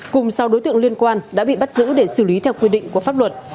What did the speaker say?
cùng sau đối tượng liên quan đã bị bắt giữ để xử lý theo quy định của pháp luật